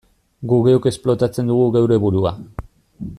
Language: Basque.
Guk geuk esplotatzen dugu geure burua.